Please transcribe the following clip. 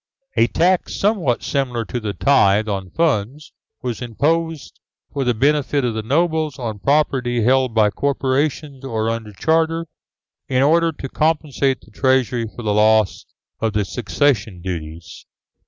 A tax, somewhat similar to the tithe on funds, was imposed for the benefit of the nobles on property held by corporations or under charter, in order to compensate the treasury for the loss of the succession duties.